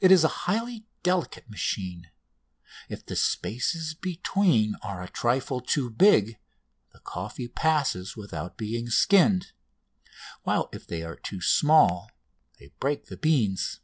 It is a highly delicate machine; if the spaces between are a trifle too big the coffee passes without being skinned, while if they are too small they break the beans.